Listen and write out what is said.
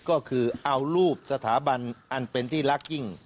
ก็คือเอารูปสถาบันอันเป็นที่รักยิ่ง